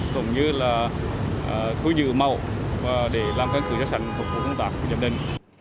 cũng như là thu giữ màu để làm các cửa sản phục của công tác của nhàm đình